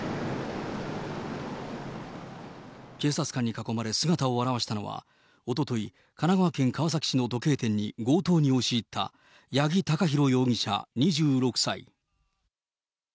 警察官に囲まれ、姿を現したのは、おととい、神奈川県川崎市の時計店に強盗に押し入った八木貴寛容疑者２６歳。